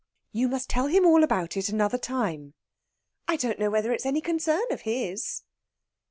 "You must tell him all about it another time." "I don't know whether it's any concern of his."